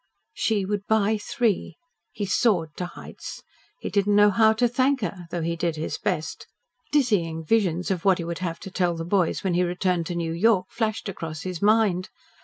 She would buy three. He soared to heights. He did not know how to thank her, though he did his best. Dizzying visions of what he would have to tell "the boys" when he returned to New York flashed across his mind.